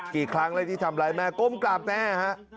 กี่ครั้งแล้วที่ทำร้ายแม่ก้มกราบแม่ฮะ